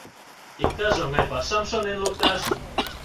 Иктаж оҥай пашам шонен лукташ.